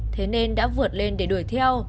thế nên đã vượt lên để đuổi theo